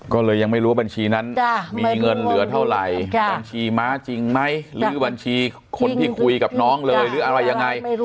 ก็เลยยังไม่รู้ว่าบัญชีนั้นมีเงินเหลือเท่าไหร่บัญชีม้าจริงไหมหรือบัญชีคนที่คุยกับน้องเลยหรืออะไรยังไง